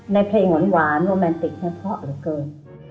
ในเพลงหวานโรแมนติกเนี่ยเพราะเหลือเกิน